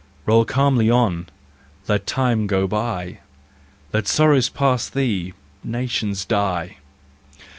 Roll calmly on, let time go by, Let sorrows pass thee—nations die!